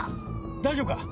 大丈夫か？